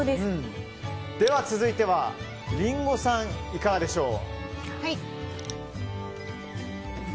では続いてはリンゴさんいかがでしょう。